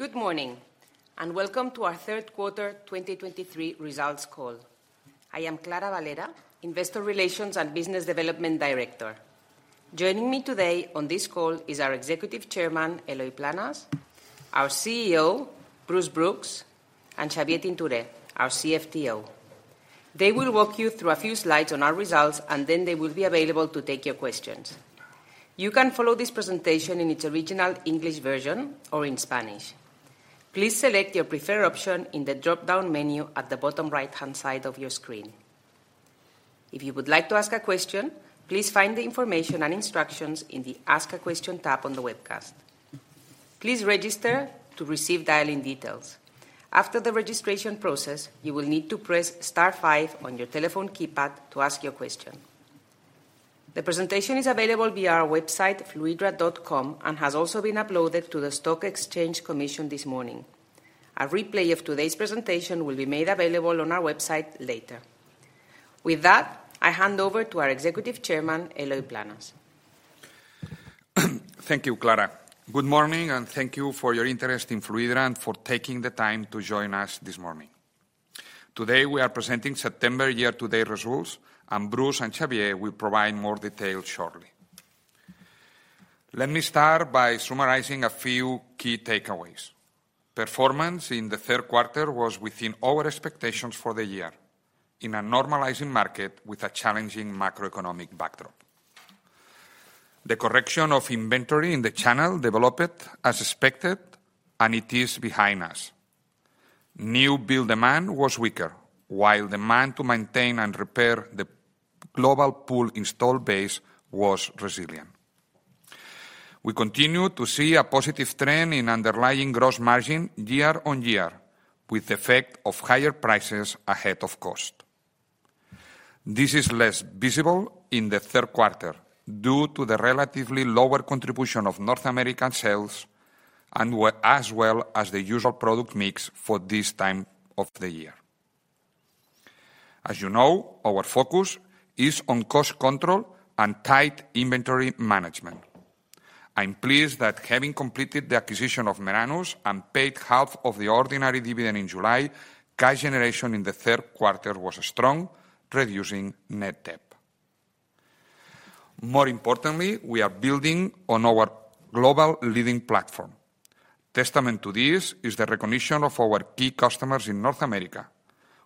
Good morning, and welcome to our Third Quarter 2023 Results Call. I am Clara Valera, Investor Relations and Business Development Director. Joining me today on this call is our Executive Chairman, Eloi Planes, our CEO, Bruce Brooks, and Xavier Tintoré, our CFTO. They will walk you through a few slides on our results, and then they will be available to take your questions. You can follow this presentation in its original English version or in Spanish. Please select your preferred option in the dropdown menu at the bottom right-hand side of your screen. If you would like to ask a question, please find the information and instructions in the Ask a Question tab on the webcast. Please register to receive dial-in details. After the registration process, you will need to press star five on your telephone keypad to ask your question. The presentation is available via our website, Fluidra.com, and has also been uploaded to the Stock Exchange Commission this morning. A replay of today's presentation will be made available on our website later. With that, I hand over to our Executive Chairman, Eloi Planes. Thank you, Clara. Good morning, and thank you for your interest in Fluidra and for taking the time to join us this morning. Today, we are presenting September year-to-date results, and Bruce and Xavier will provide more details shortly. Let me start by summarizing a few key takeaways. Performance in the third quarter was within our expectations for the year, in a normalizing market with a challenging macroeconomic backdrop. The correction of inventory in the channel developed as expected, and it is behind us. New build demand was weaker, while demand to maintain and repair the global pool installed base was resilient. We continue to see a positive trend in underlying gross margin year-on-year, with the effect of higher prices ahead of cost. This is less visible in the third quarter due to the relatively lower contribution of North American sales and as well as the usual product mix for this time of the year. As you know, our focus is on cost control and tight inventory management. I'm pleased that having completed the acquisition of Meranus and paid half of the ordinary dividend in July, cash generation in the third quarter was strong, reducing net debt. More importantly, we are building on our global leading platform. Testament to this is the recognition of our key customers in North America.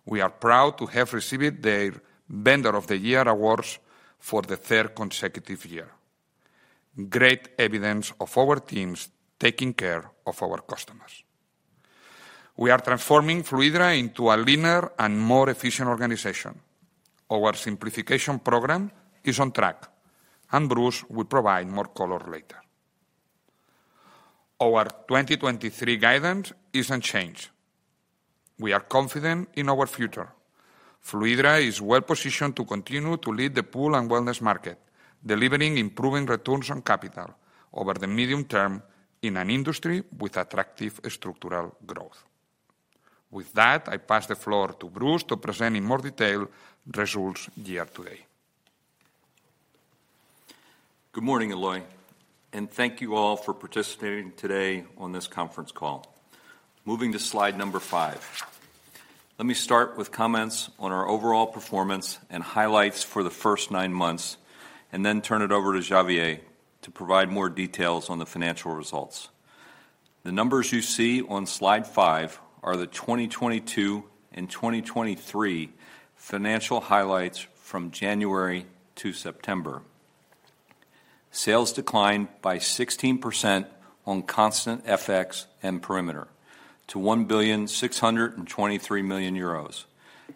We are proud to have received their Vendor of the Year awards for the third consecutive year. Great evidence of our teams taking care of our customers. We are transforming Fluidra into a leaner and more efficient organization. Our simplification program is on track, and Bruce will provide more color later. Our 2023 guidance is unchanged. We are confident in our future. Fluidra is well positioned to continue to lead the pool and wellness market, delivering improving returns on capital over the medium term in an industry with attractive structural growth. With that, I pass the floor to Bruce to present in more detail results year to date. Good morning, Eloi, and thank you all for participating today on this conference call. Moving to slide five. Let me start with comments on our overall performance and highlights for the first nine months, and then turn it over to Xavier to provide more details on the financial results. The numbers you see on slide five are the 2022 and 2023 financial highlights from January to September. Sales declined by 16% on constant FX and perimeter to 1,623 million euros,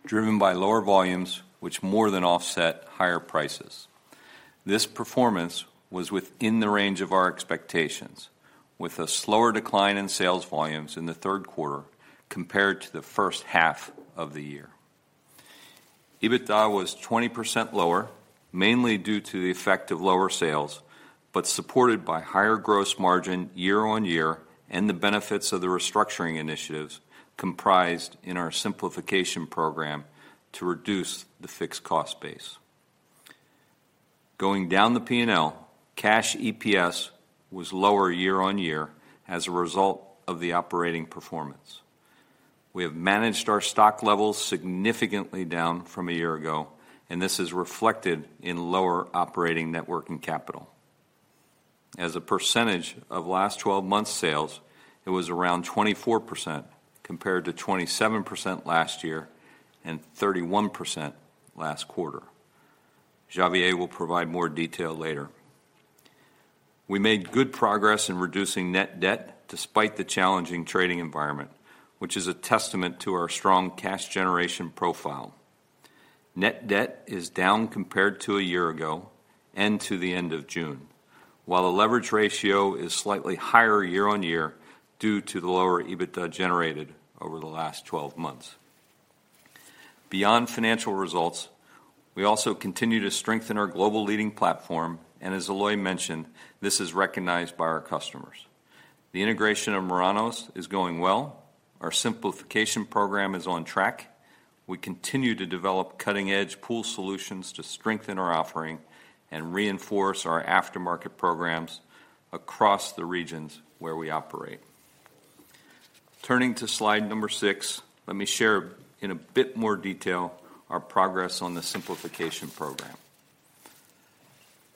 driven by lower volumes, which more than offset higher prices. This performance was within the range of our expectations, with a slower decline in sales volumes in the third quarter compared to the first half of the year. EBITDA was 20% lower, mainly due to the effect of lower sales, but supported by higher gross margin year-on-year and the benefits of the restructuring initiatives comprised in our simplification program to reduce the fixed cost base. Going down the P&L, cash EPS was lower year-on-year as a result of the operating performance. We have managed our stock levels significantly down from a year ago, and this is reflected in lower operating net working capital. As a percentage of last twelve months' sales, it was around 24%, compared to 27% last year and 31% last quarter. Xavier will provide more detail later. We made good progress in reducing net debt despite the challenging trading environment, which is a testament to our strong cash generation profile. Net debt is down compared to a year ago and to the end of June, while the leverage ratio is slightly higher year-over-year due to the lower EBITDA generated over the last 12 months. Beyond financial results, we also continue to strengthen our global leading platform, and as Eloi mentioned, this is recognized by our customers. The integration of Meranus is going well. Our simplification program is on track. We continue to develop cutting-edge pool solutions to strengthen our offering and reinforce our aftermarket programs across the regions where we operate. Turning to slide number six, let me share in a bit more detail our progress on the simplification program.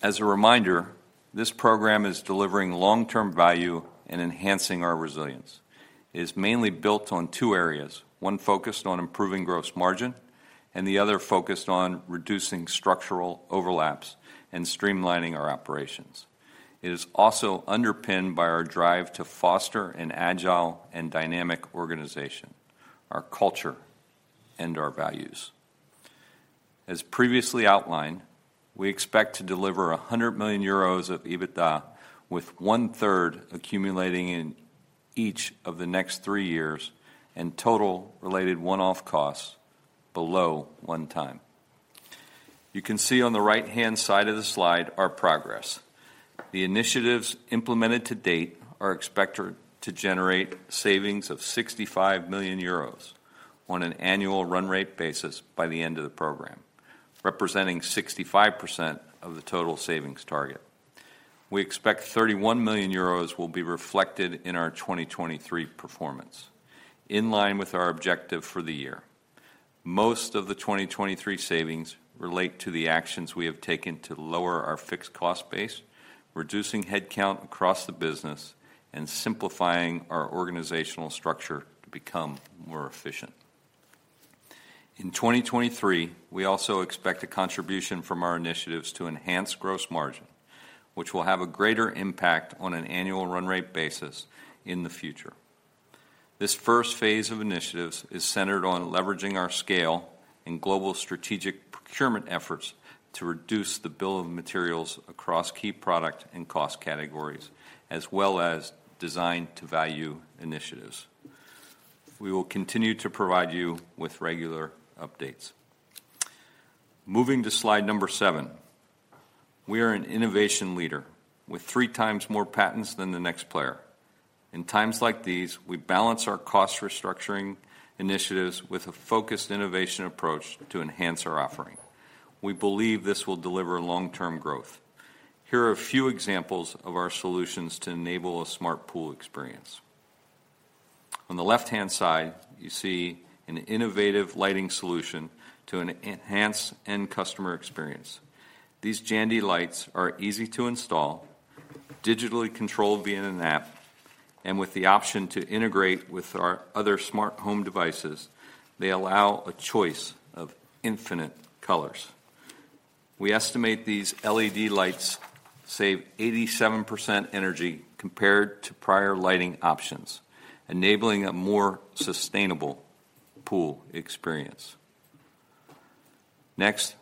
As a reminder, this program is delivering long-term value and enhancing our resilience. It is mainly built on two areas: one focused on improving gross margin, and the other focused on reducing structural overlaps and streamlining our operations. It is also underpinned by our drive to foster an agile and dynamic organization, our culture, and our values. As previously outlined, we expect to deliver 100 million euros of EBITDA, with one-third accumulating in each of the next three years, and total related one-off costs below one time. You can see on the right-hand side of the slide our progress. The initiatives implemented to date are expected to generate savings of 65 million euros on an annual run rate basis by the end of the program, representing 65% of the total savings target. We expect 31 million euros will be reflected in our 2023 performance, in line with our objective for the year. Most of the 2023 savings relate to the actions we have taken to lower our fixed cost base, reducing headcount across the business, and simplifying our organizational structure to become more efficient. In 2023, we also expect a contribution from our initiatives to enhance gross margin, which will have a greater impact on an annual run rate basis in the future. This first phase of initiatives is centered on leveraging our scale and global strategic procurement efforts to reduce the bill of materials across key product and cost categories, as well as design-to-value initiatives. We will continue to provide you with regular updates. Moving to slide number seven. We are an innovation leader with three times more patents than the next player. In times like these, we balance our cost restructuring initiatives with a focused innovation approach to enhance our offering. We believe this will deliver long-term growth. Here are a few examples of our solutions to enable a smart pool experience. On the left-hand side, you see an innovative lighting solution to enhance end customer experience. These Jandy lights are easy to install, digitally controlled via an app, and with the option to integrate with our other smart home devices, they allow a choice of infinite colors. We estimate these LED lights save 87% energy compared to prior lighting options, enabling a more sustainable pool experience. Next,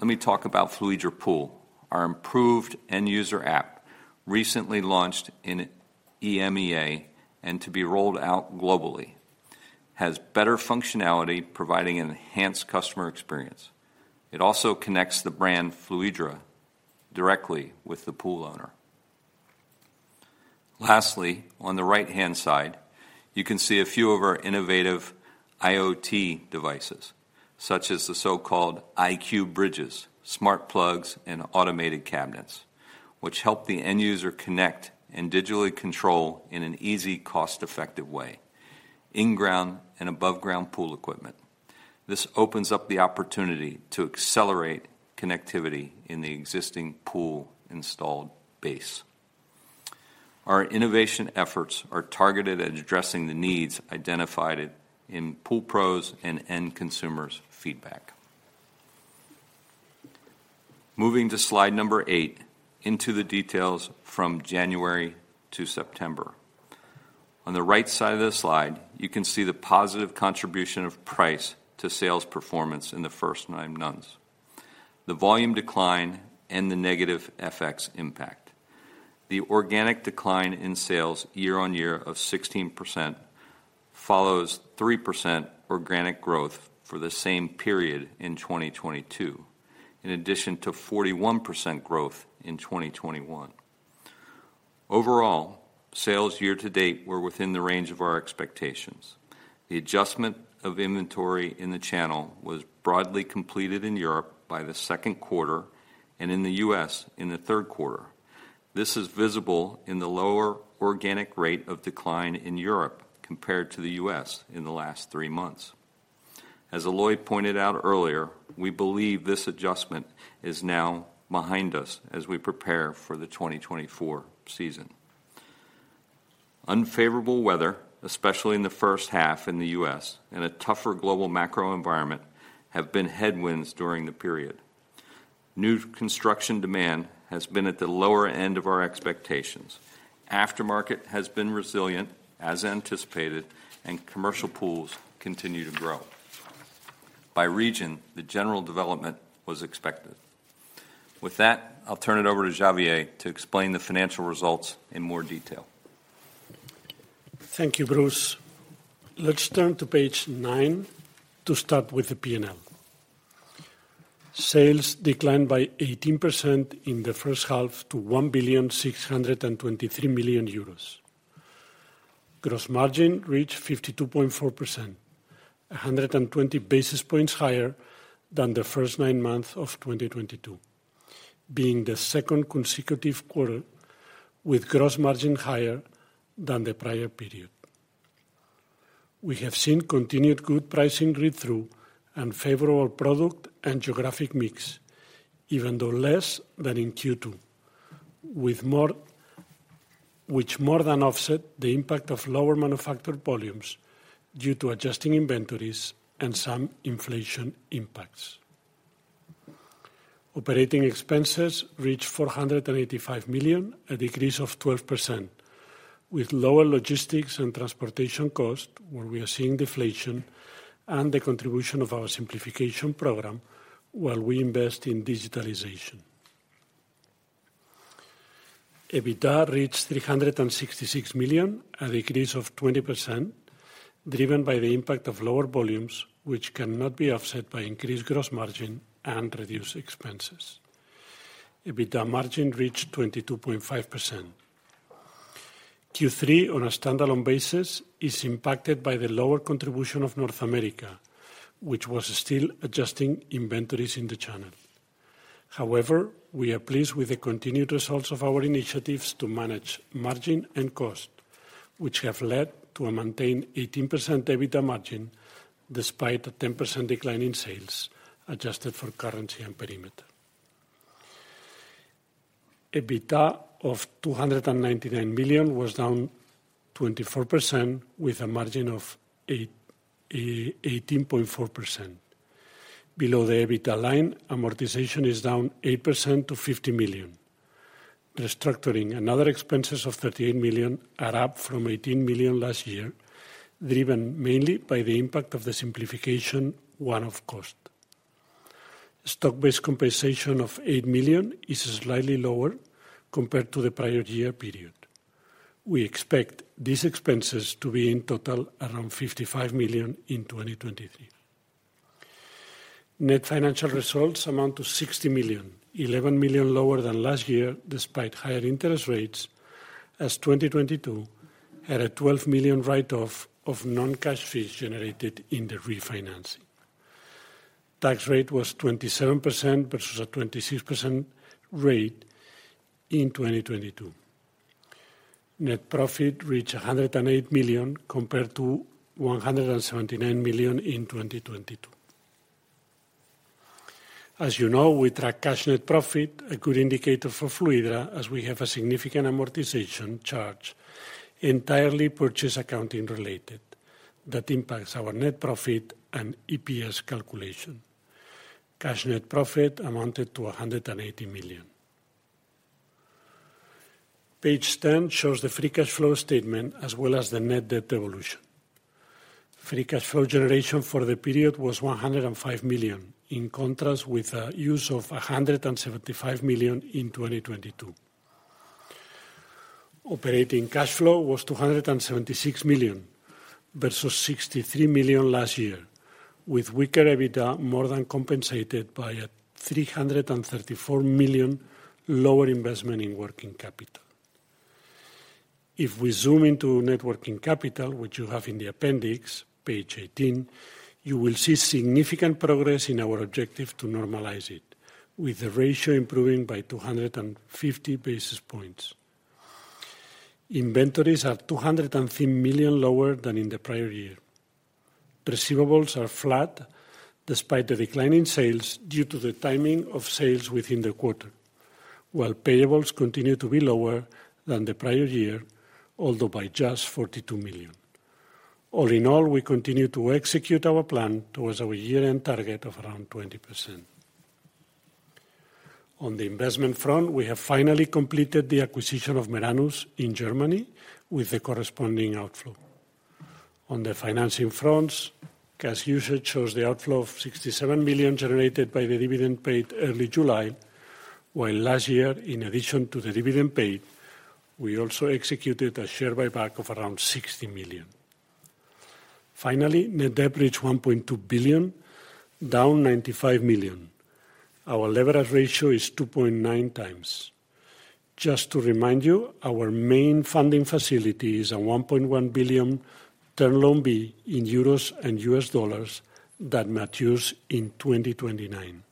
let me talk about Fluidra Pool. Our improved end-user app, recently launched in EMEA and to be rolled out globally, has better functionality, providing an enhanced customer experience. It also connects the brand Fluidra directly with the pool owner. Lastly, on the right-hand side, you can see a few of our innovative IoT devices, such as the so-called iQ Bridges, smart plugs, and automated cabinets, which help the end user connect and digitally control in an easy, cost-effective way, in-ground and above-ground pool equipment. This opens up the opportunity to accelerate connectivity in the existing pool installed base. Our innovation efforts are targeted at addressing the needs identified in pool pros' and end consumers' feedback. Moving to slide number eight, into the details from January to September. On the right side of the slide, you can see the positive contribution of price to sales performance in the first nine months, the volume decline, and the negative FX impact. The organic decline in sales year-on-year of 16% follows 3% organic growth for the same period in 2022, in addition to 41% growth in 2021. Overall, sales year to date were within the range of our expectations. The adjustment of inventory in the channel was broadly completed in Europe by the second quarter and in the US in the third quarter. This is visible in the lower organic rate of decline in Europe compared to the US in the last 3 months. As Eloi pointed out earlier, we believe this adjustment is now behind us as we prepare for the 2024 season. Unfavorable weather, especially in the first half in the U.S., and a tougher global macro environment, have been headwinds during the period. New construction demand has been at the lower end of our expectations. Aftermarket has been resilient, as anticipated, and commercial pools continue to grow. By region, the general development was expected. With that, I'll turn it over to Xavier to explain the financial results in more detail. Thank you, Bruce. Let's turn to page 9 to start with the P&L. Sales declined by 18% in the first half to 1,623 million euros. Gross margin reached 52.4%, 120 basis points higher than the first nine months of 2022, being the second consecutive quarter with gross margin higher than the prior period. We have seen continued good pricing read-through and favorable product and geographic mix, even though less than in Q2, with more, which more than offset the impact of lower manufactured volumes due to adjusting inventories and some inflation impacts. Operating expenses reached 485 million, a decrease of 12%, with lower logistics and transportation costs, where we are seeing deflation and the contribution of our simplification program, while we invest in digitalization. EBITDA reached 366 million, a decrease of 20%, driven by the impact of lower volumes, which cannot be offset by increased gross margin and reduced expenses. EBITDA margin reached 22.5%. Q3, on a standalone basis, is impacted by the lower contribution of North America, which was still adjusting inventories in the channel. However, we are pleased with the continued results of our initiatives to manage margin and cost, which have led to a maintained 18% EBITDA margin, despite a 10% decline in sales, adjusted for currency and perimeter. EBITDA of 299 million was down 24%, with a margin of 18.4%. Below the EBITDA line, amortization is down 8% to 50 million. Restructuring and other expenses of 38 million are up from 18 million last year, driven mainly by the impact of the simplification one-off cost. Stock-based compensation of 8 million is slightly lower compared to the prior year period. We expect these expenses to be in total around 55 million in 2023. Net financial results amount to 60 million, 11 million lower than last year, despite higher interest rates, as 2022 had a 12 million write-off of non-cash fees generated in the refinancing. Tax rate was 27%, versus a 26% rate in 2022. Net profit reached 108 million, compared to 179 million in 2022. As you know, we track cash net profit, a good indicator for Fluidra, as we have a significant amortization charge, entirely purchase accounting related, that impacts our net profit and EPS calculation. Cash net profit amounted to 180 million. Page 10 shows the free cash flow statement, as well as the net debt evolution. Free cash flow generation for the period was 105 million, in contrast with use of 175 million in 2022. Operating cash flow was 276 million, versus 63 million last year, with weaker EBITDA more than compensated by a 334 million lower investment in working capital. If we zoom into net working capital, which you have in the appendix, page 18, you will see significant progress in our objective to normalize it, with the ratio improving by 250 basis points. Inventories are 203 million lower than in the prior year. Receivables are flat, despite the decline in sales, due to the timing of sales within the quarter, while payables continue to be lower than the prior year, although by just 42 million. All in all, we continue to execute our plan towards our year-end target of around 20%. On the investment front, we have finally completed the acquisition of Meranus in Germany, with the corresponding outflow. On the financing fronts, cash usage shows the outflow of 67 million generated by the dividend paid early July, while last year, in addition to the dividend paid, we also executed a share buyback of around 60 million. Finally, net debt reached 1.2 billion, down 95 million. Our leverage ratio is 2.9 times. Just to remind you, our main funding facility is a 1.1 billion Term Loan B in euros and US dollars that matures in 2029.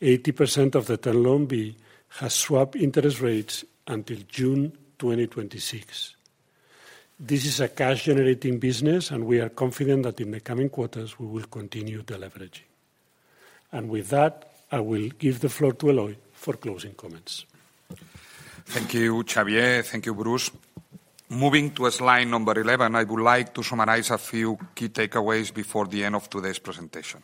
80% of the Term Loan B has swapped interest rates until June 2026. This is a cash-generating business, and we are confident that in the coming quarters, we will continue deleveraging. With that, I will give the floor to Eloi for closing comments. Thank you, Xavier. Thank you, Bruce. Moving to slide number 11, I would like to summarize a few key takeaways before the end of today's presentation.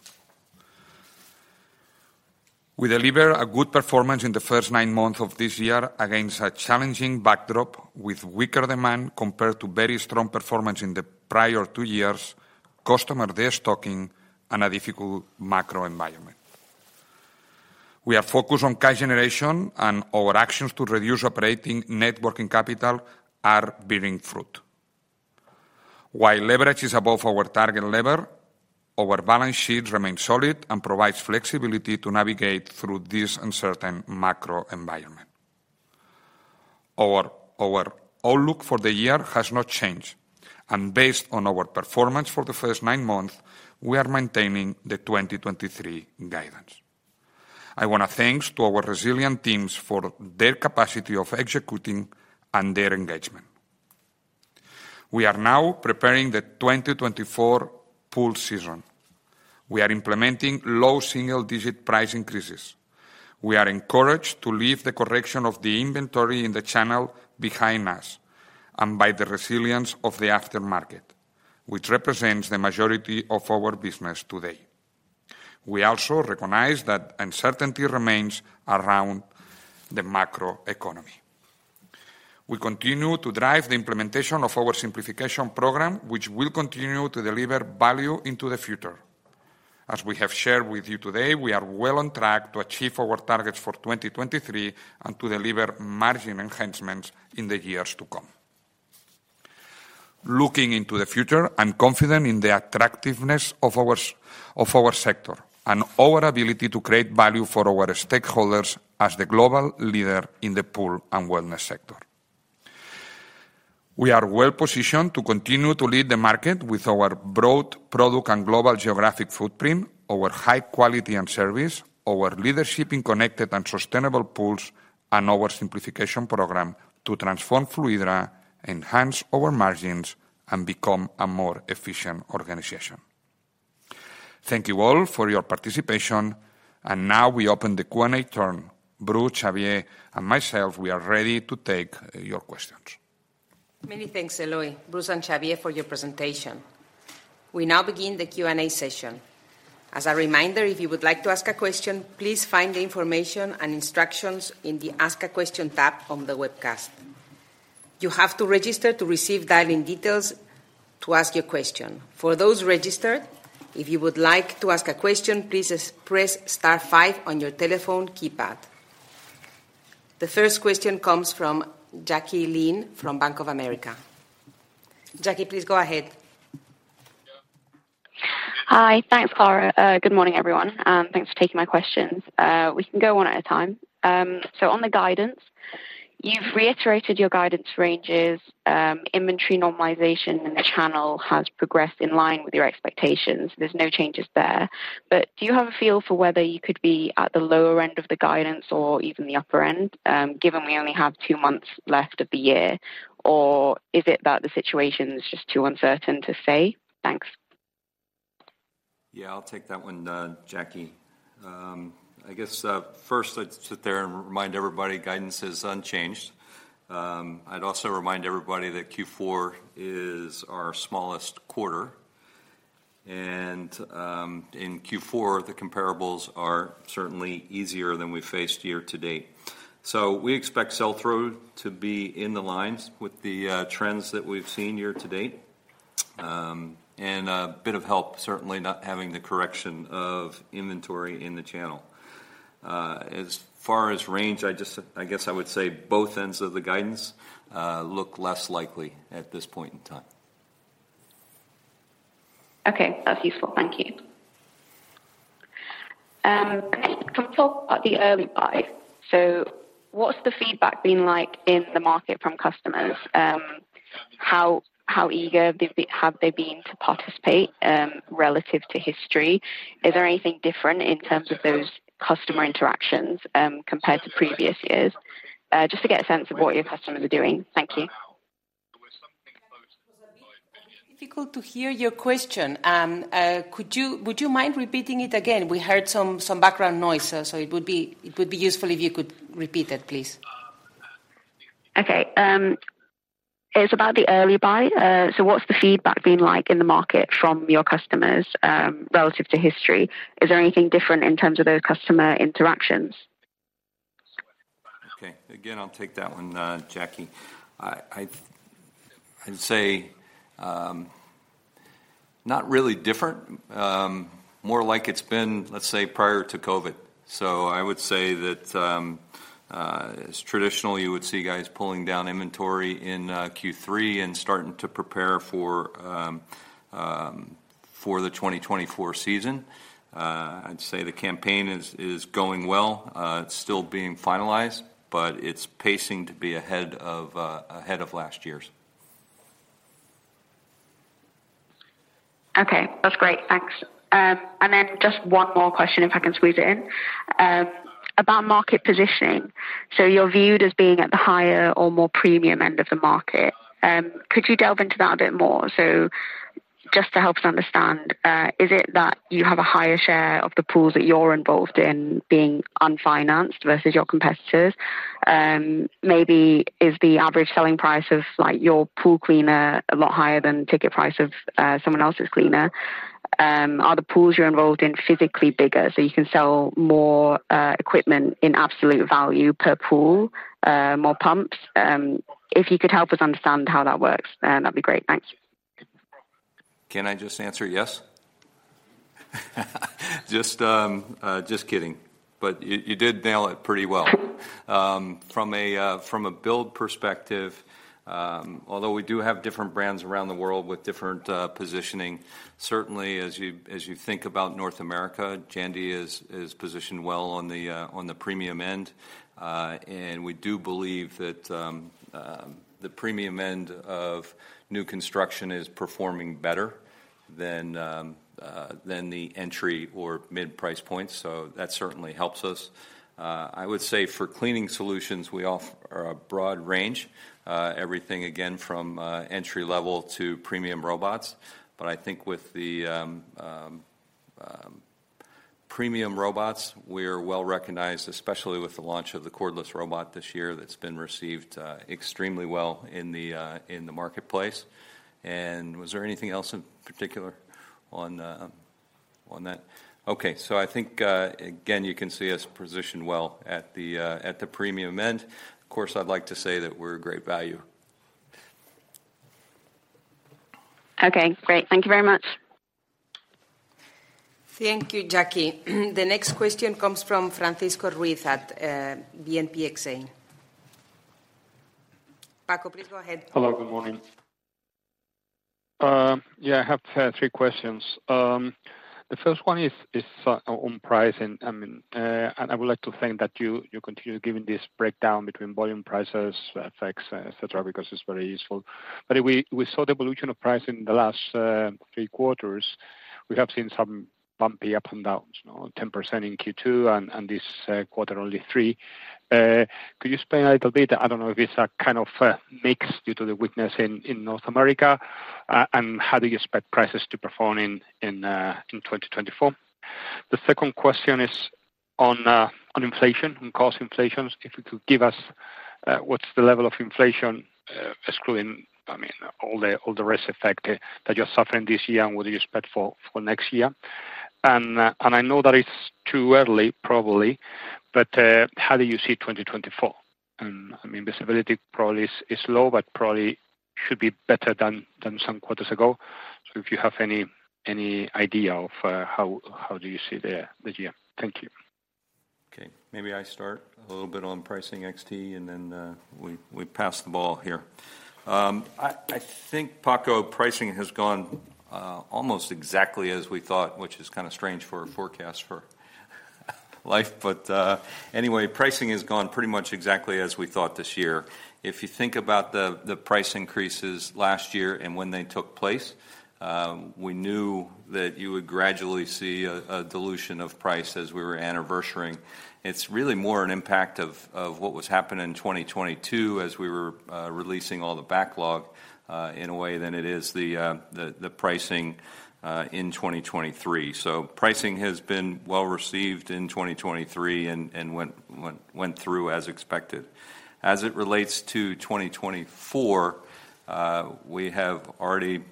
We deliver a good performance in the first nine months of this year against a challenging backdrop, with weaker demand compared to very strong performance in the prior two years, customer destocking, and a difficult macro environment. We are focused on cash generation, and our actions to reduce operating net working capital are bearing fruit, while leverage is above our target level, our balance sheet remains solid and provides flexibility to navigate through this uncertain macro environment. Our outlook for the year has not changed, and based on our performance for the first nine months, we are maintaining the 2023 guidance. I want to thank our resilient teams for their capacity of executing and their engagement. We are now preparing the 2024 pool season. We are implementing low single-digit price increases. We are encouraged to leave the correction of the inventory in the channel behind us and by the resilience of the aftermarket, which represents the majority of our business today. We also recognize that uncertainty remains around the macro economy. We continue to drive the implementation of our simplification program, which will continue to deliver value into the future. As we have shared with you today, we are well on track to achieve our targets for 2023 and to deliver margin enhancements in the years to come. Looking into the future, I'm confident in the attractiveness of ours, of our sector and our ability to create value for our stakeholders as the global leader in the pool and wellness sector. We are well positioned to continue to lead the market with our broad product and global geographic footprint, our high quality and service, our leadership in connected and sustainable pools, and our simplification program to transform Fluidra, enhance our margins, and become a more efficient organization. Thank you all for your participation, and now we open the Q&A term. Bruce, Xavier, and myself, we are ready to take your questions. Many thanks, Eloi, Bruce, and Xavier for your presentation. We now begin the Q&A session. As a reminder, if you would like to ask a question, please find the information and instructions in the Ask a Question tab on the webcast. You have to register to receive dial-in details to ask your question. For those registered, if you would like to ask a question, please press star five on your telephone keypad. The first question comes from Jacqui Cassidy from Bank of America. Jacqui, please go ahead. Hi. Thanks, Clara. Good morning, everyone, and thanks for taking my questions. We can go one at a time. So on the guidance, you've reiterated your guidance ranges. Inventory normalization in the channel has progressed in line with your expectations. There's no changes there. But do you have a feel for whether you could be at the lower end of the guidance or even the upper end, given we only have two months left of the year? Or is it that the situation is just too uncertain to say? Thanks. Yeah, I'll take that one, Jacqui. I guess first, let's start there and remind everybody guidance is unchanged. I'd also remind everybody that Q4 is our smallest quarter, and in Q4, the comparables are certainly easier than we faced year to date. So we expect sell-through to be in line with the trends that we've seen year to date. And a bit of help, certainly not having the correction of inventory in the channel. As far as range, I just, I guess I would say both ends of the guidance look less likely at this point in time. Okay, that's useful. Thank you. Can we talk about the Early buy? So what's the feedback been like in the market from customers? How eager they've been, have they been to participate, relative to history? Is there anything different in terms of those customer interactions, compared to previous years? Just to get a sense of what your customers are doing. Thank you. Difficult to hear your question. Would you mind repeating it again? We heard some background noise, so it would be useful if you could repeat it, please. Okay, it's about the early buy. So what's the feedback been like in the market from your customers, relative to history? Is there anything different in terms of those customer interactions? Okay, again, I'll take that one, Jacqui. I'd say not really different, more like it's been, let's say, prior to COVID. So I would say that, as traditional, you would see guys pulling down inventory in Q3 and starting to prepare for the 2024 season. I'd say the campaign is going well. It's still being finalized, but it's pacing to be ahead of ahead of last year's. Okay, that's great. Thanks. And then just one more question, if I can squeeze it in. About market positioning. So you're viewed as being at the higher or more premium end of the market. Could you delve into that a bit more? So just to help us understand, is it that you have a higher share of the pools that you're involved in being unfinanced versus your competitors? Maybe is the average selling price of, like, your pool cleaner a lot higher than ticket price of, someone else's cleaner? Are the pools you're involved in physically bigger, so you can sell more, equipment in absolute value per pool, more pumps? If you could help us understand how that works, then that'd be great. Thank you. Can I just answer yes? Just, just kidding. But you, you did nail it pretty well. From a, from a build perspective, although we do have different brands around the world with different, positioning, certainly as you, as you think about North America, Jandy is, is positioned well on the, on the premium end. And we do believe that, the premium end of new construction is performing better than, than the entry or mid-price points, so that certainly helps us. I would say for cleaning solutions, we offer a broad range, everything again, from, entry-level to premium robots. But I think with the, premium robots, we're well-recognized, especially with the launch of the cordless robot this year, that's been received, extremely well in the, in the marketplace. Was there anything else in particular on that? Okay. So I think again, you can see us positioned well at the premium end. Of course, I'd like to say that we're a great value. Okay, great. Thank you very much. Thank you, Jacqui. The next question comes from Francisco Ruiz at BNP Paribas Exane. Paco, please go ahead. Hello, good morning. Yeah, I have three questions. The first one is on price, and I mean, and I would like to thank that you, you continue giving this breakdown between volume, prices, effects, et cetera, because it's very useful. But we, we saw the evolution of pricing in the last three quarters. We have seen some bumpy up and downs, you know, 10% in Q2, and, and this quarter, only 3%. Could you explain a little bit? I don't know if it's a kind of mix due to the weakness in North America, and how do you expect prices to perform in 2024? The second question is on inflation, on cost inflations. If you could give us what's the level of inflation, excluding, I mean, all the, all the rest effect, that you're suffering this year, and what do you expect for, for next year? And, and I know that it's too early, probably, but, how do you see 2024? I mean, visibility probably is, is low, but probably should be better than, than some quarters ago. So if you have any, any idea of, how, how do you see the, the year? Thank you. Okay, maybe I start a little bit on pricing XT, and then, we pass the ball here. I think, Paco, pricing has gone almost exactly as we thought, which is kind of strange for a forecast for life. But, anyway, pricing has gone pretty much exactly as we thought this year. If you think about the price increases last year and when they took place, we knew that you would gradually see a dilution of price as we were anniversarying. It's really more an impact of what was happening in 2022 as we were releasing all the backlog in a way than it is the pricing in 2023. So pricing has been well received in 2023 and went through as expected. As it relates to 2024, we have already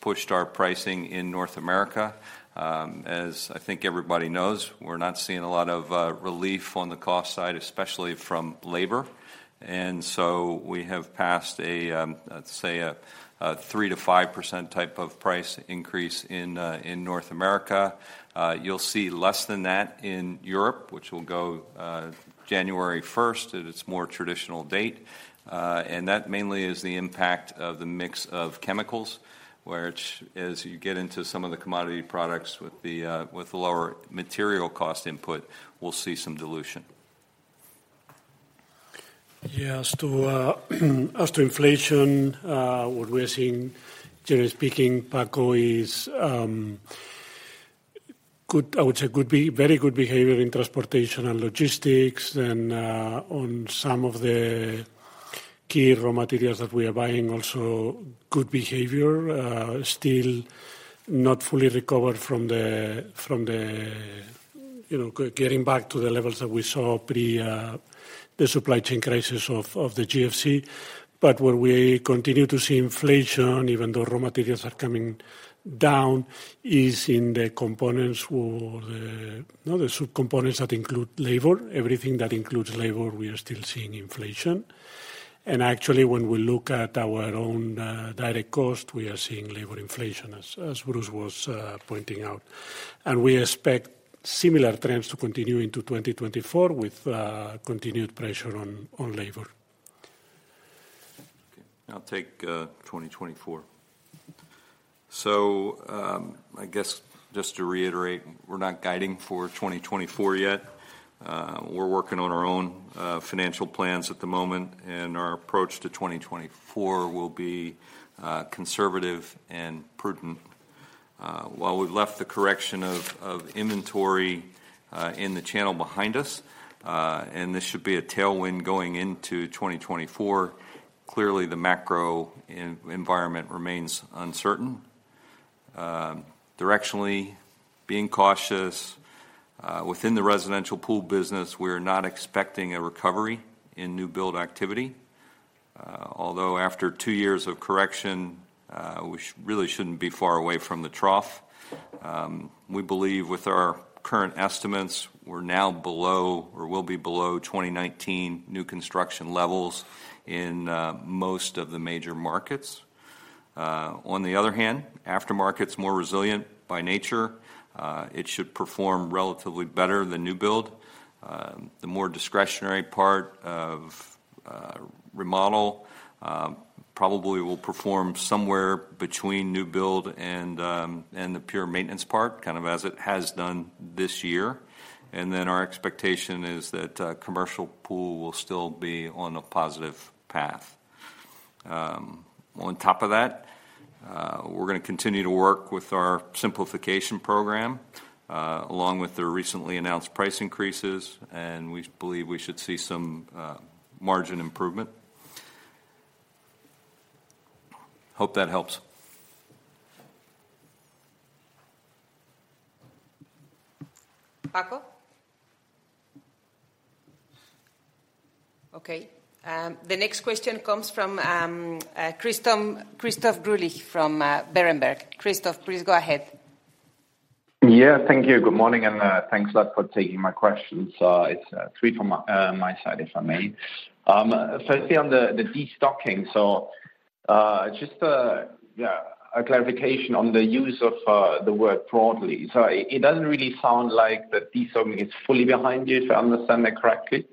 pushed our pricing in North America. As I think everybody knows, we're not seeing a lot of relief on the cost side, especially from labor. And so we have passed a, let's say a 3%-5% type of price increase in North America. You'll see less than that in Europe, which will go January first, at its more traditional date. And that mainly is the impact of the mix of chemicals, which as you get into some of the commodity products with the lower material cost input, we'll see some dilution. Yeah, as to inflation, what we are seeing, generally speaking, Paco, is good I would say very good behavior in transportation and logistics and on some of the key raw materials that we are buying also, good behavior. Still not fully recovered from the, from the you know, getting back to the levels that we saw pre the supply chain crisis of the GFC. But where we continue to see inflation, even though raw materials are coming down, is in the components or the, you know, the sub components that include labor. Everything that includes labor, we are still seeing inflation. And actually, when we look at our own direct cost, we are seeing labor inflation, as Bruce was pointing out. We expect similar trends to continue into 2024 with continued pressure on labor. Okay, I'll take 2024. So, I guess just to reiterate, we're not guiding for 2024 yet. We're working on our own financial plans at the moment, and our approach to 2024 will be conservative and prudent. While we've left the correction of inventory in the channel behind us, and this should be a tailwind going into 2024, clearly, the macro environment remains uncertain. Directionally, being cautious within the residential pool business, we're not expecting a recovery in new build activity. Although after two years of correction, we really shouldn't be far away from the trough. We believe with our current estimates, we're now below or will be below 2019 new construction levels in most of the major markets. On the other hand, aftermarket's more resilient by nature. It should perform relatively better than new build. The more discretionary part of remodel probably will perform somewhere between new build and the pure maintenance part, kind of as it has done this year. And then our expectation is that commercial pool will still be on a positive path. On top of that, we're gonna continue to work with our simplification program along with the recently announced price increases, and we believe we should see some margin improvement. Hope that helps. Paco? Okay, the next question comes from Christoph, Christoph Greulich from Berenberg. Christoph, please go ahead. Yeah, thank you. Good morning, and, thanks a lot for taking my questions. It's three from my side, if I may. Firstly, on the destocking. So, just yeah, a clarification on the use of the word broadly. So it doesn't really sound like the destocking is fully behind you, if I understand that correctly.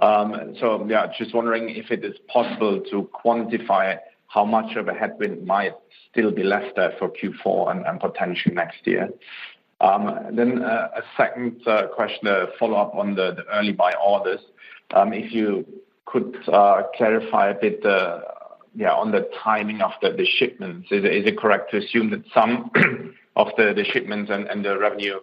So yeah, just wondering if it is possible to quantify how much of a headwind might still be left there for Q4 and potentially next year? Then, a second question to follow up on the early buy orders. If you could clarify a bit, yeah, on the timing of the shipments. Is it correct to assume that some of the shipments and the revenue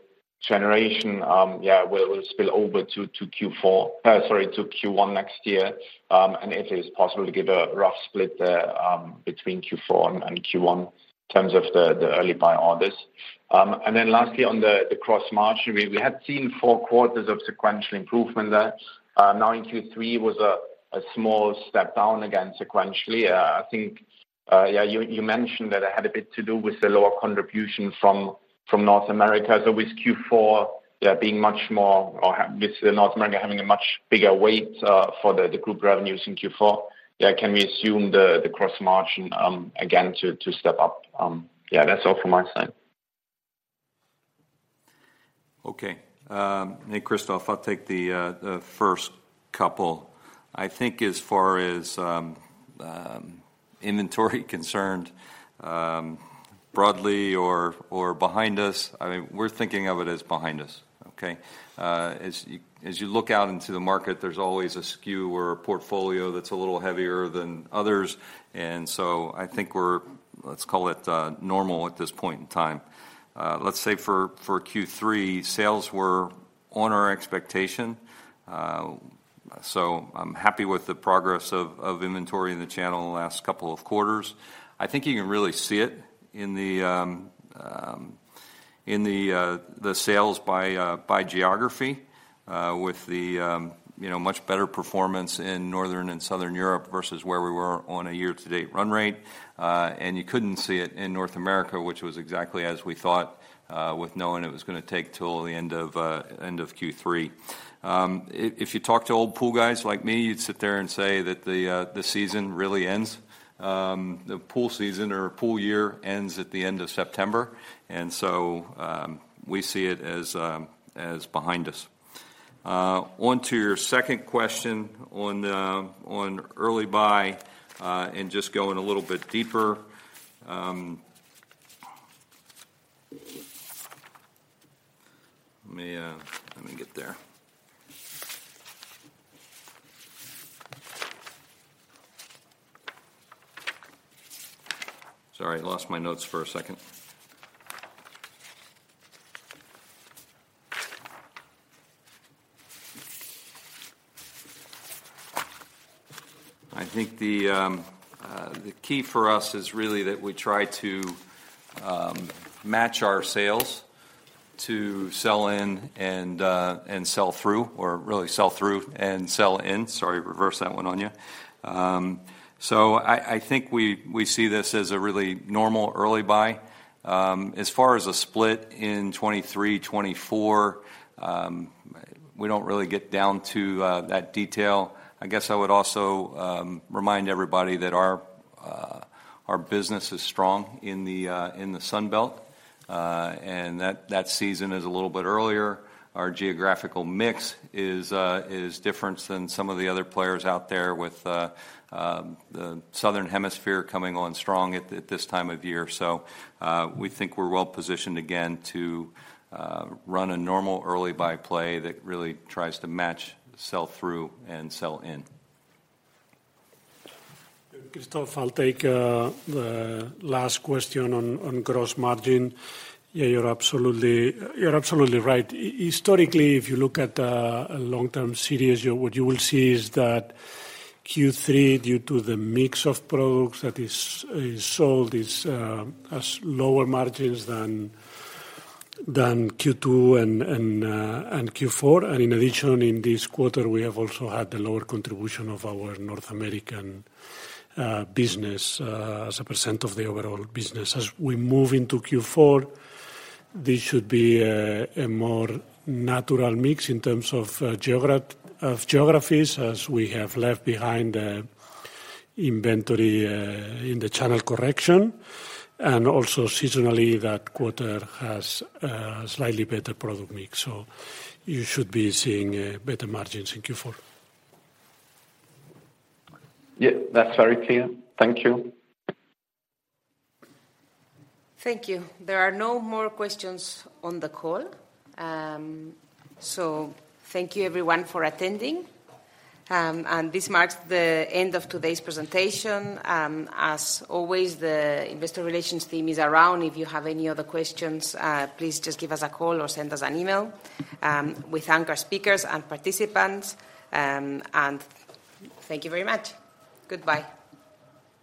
generation will spill over to Q4? Sorry, to Q1 next year, and if it is possible to give a rough split between Q4 and Q1 in terms of the early buy orders? And then lastly, on the gross margin, we had seen four quarters of sequential improvement there. Now in Q3 was a small step down again sequentially. I think you mentioned that it had a bit to do with the lower contribution from North America. So with Q4, yeah, being much more, with North America having a much bigger weight for the group revenues in Q4, yeah, can we assume the cross margin again to step up? Yeah, that's all from my side. Okay. Hey, Christoph. I'll take the first couple. I think as far as inventory concerned, broadly or behind us, I mean, we're thinking of it as behind us, okay? As you look out into the market, there's always a SKU or a portfolio that's a little heavier than others, and so I think we're... let's call it normal at this point in time. Let's say for Q3, sales were on our expectation, so I'm happy with the progress of inventory in the channel in the last couple of quarters. I think you can really see it in the sales by geography, with you know, much better performance in Northern and Southern Europe versus where we were on a year-to-date run rate. And you couldn't see it in North America, which was exactly as we thought, with knowing it was gonna take till the end of Q3. If you talk to old pool guys like me, you'd sit there and say that the season really ends, the pool season or pool year ends at the end of September, and so we see it as behind us. Onto your second question on early buy and just going a little bit deeper. Let me get there. Sorry, I lost my notes for a second. I think the key for us is really that we try to match our sales to sell in and sell through, or really sell through and sell in. Sorry, reverse that one on you. So I think we see this as a really normal early buy. As far as a split in 2023, 2024, we don't really get down to that detail. I guess I would also remind everybody that our business is strong in the Sun Belt, and that season is a little bit earlier. Our geographical mix is different than some of the other players out there with the Southern Hemisphere coming on strong at this time of year. So we think we're well-positioned again to run a normal early buy play that really tries to match sell through and sell in. Christoph, I'll take the last question on gross margin. Yeah, you're absolutely, you're absolutely right. Historically, if you look at a long-term series, what you will see is that Q3, due to the mix of products that is sold, has lower margins than Q2 and Q4. And in addition, in this quarter, we have also had the lower contribution of our North American business as a percent of the overall business. As we move into Q4, this should be a more natural mix in terms of geographies, as we have left behind the inventory in the channel correction, and also seasonally, that quarter has a slightly better product mix, so you should be seeing better margins in Q4. Yeah, that's very clear. Thank you. Thank you. There are no more questions on the call. Thank you everyone for attending, and this marks the end of today's presentation. As always, the investor relations team is around. If you have any other questions, please just give us a call or send us an email. We thank our speakers and participants, and thank you very much. Goodbye.